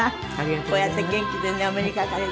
こうやって元気でねお目にかかれてね。